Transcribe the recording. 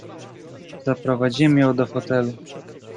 "Zaprowadziłem ją do fotelu."